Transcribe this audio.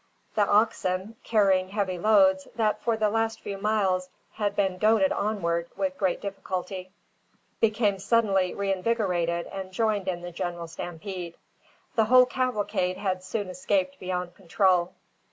The oxen, carrying heavy loads, that for the last few miles had been goaded onward with great difficulty, became suddenly reinvigorated and joined in the general stampede. The whole cavalcade had soon escaped beyond control.